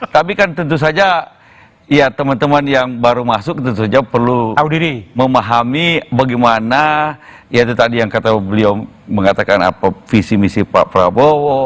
tapi kan tentu saja ya teman teman yang baru masuk tentu saja perlu memahami bagaimana ya itu tadi yang kata beliau mengatakan apa visi misi pak prabowo